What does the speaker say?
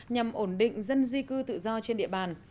nhằm ổn định dân di cư tự do trên địa bàn